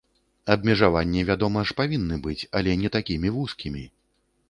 Абмежаванні, вядома ж, павінны быць, але не такімі вузкімі.